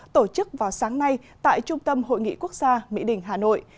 tổ chức vào sáng nay tại trung tâm hội nghị quốc gia mỹ đình hà nội